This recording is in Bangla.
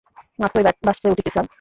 মাত্রই বাসে উঠেছি, স্যার।